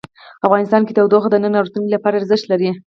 افغانستان کې تودوخه د نن او راتلونکي لپاره ارزښت لري.